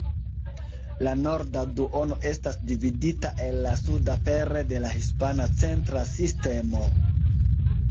La norda duono estas dividita el la suda pere de la Hispana Centra Sistemo.